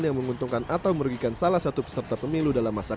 yang menguntungkan atau merugikan salah satu peserta pemilu dalam masa kampanye